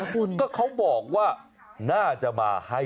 เพื่อนเอาของมาฝากเหรอคะเพื่อนมาดูลูกหมาไงหาถึงบ้านเลยแหละครับ